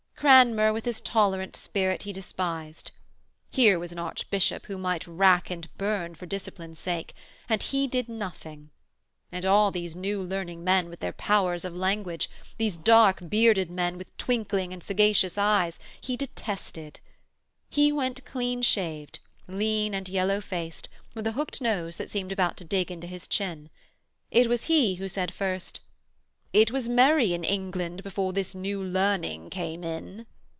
Cranmer, with his tolerant spirit, he despised. Here was an archbishop who might rack and burn for discipline's sake, and he did nothing.... And all these New Learning men with their powers of language, these dark bearded men with twinkling and sagacious eyes, he detested. He went clean shaved, lean and yellow faced, with a hooked nose that seemed about to dig into his chin. It was he who said first: 'It was merry in England before this New Learning came in.'